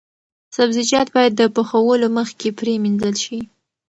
سبزیجات باید د پخولو مخکې پریمنځل شي.